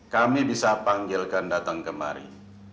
kami bisa panggilkan datang kemari